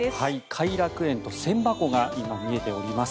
偕楽園と千波湖が今、見えております。